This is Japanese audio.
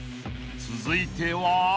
［続いては］